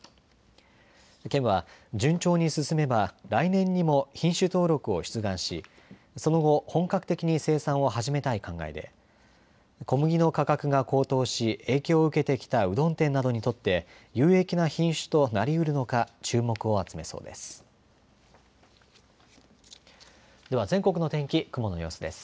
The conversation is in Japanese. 県は順調に進めば来年にも品種登録を出願しその後、本格的に生産を始めたい考えで小麦の価格が高騰し影響を受けてきたうどん店などにとって有益な品種となりうるのか注目を集めそうです。